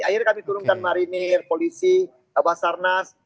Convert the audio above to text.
akhirnya kami turunkan marinir polisi bapak sarnas